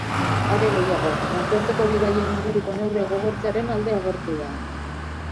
Are gehiago, nazioarteko bidaien inguruko neurriak gogortzearen alde agertu da.